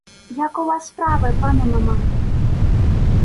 — Як у вас справи, пане Мамай?